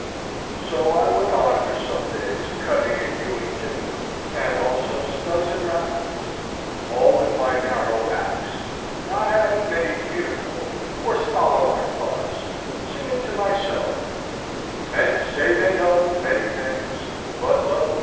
So I went on for some days cutting and hewing timber, and also studs and rafters, all with my narrow axe, not having many communicable or scholar like thoughts, singing to myself,— Men say they know many things; But lo!